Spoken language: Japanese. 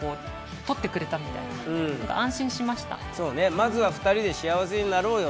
まずは２人で幸せになろうよ。